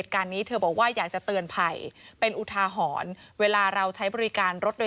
แต่ล่าสุดเจอตัวแล้วนะคะ